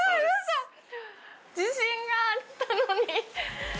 自信があったのに。